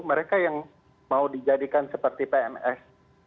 mereka yang mau dijadikan seperti pns